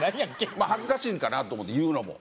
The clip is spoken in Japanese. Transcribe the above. まあ恥ずかしいんかなと思って言うのも。